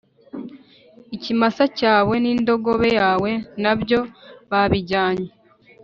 Ikimasa cyawe n’ indogobe yawe Na byo babijyanye